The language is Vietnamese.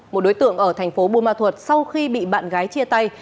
một đối tượng ở thành phố buôn ma thuật sau khi bị bạn gái chia tay